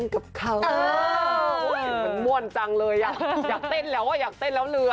มันม่วนจังเลยอ่ะอยากเต้นแล้วอ่ะอยากเต้นแล้วเรือ